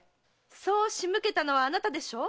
そう仕向けたのはあなたでしょ？